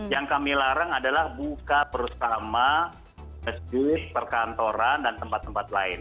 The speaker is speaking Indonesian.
yang kami larang adalah buka bersama masjid perkantoran dan tempat tempat lain